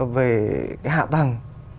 về hạ tầng